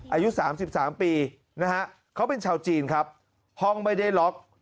อายุ๓๓ปีนะฮะเขาเป็นชาวจีนครับห้องไม่ได้ล็อก